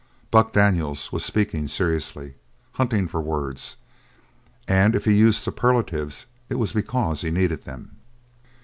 Buck Daniels was speaking seriously, hunting for words, and if he used superlatives it was because he needed them.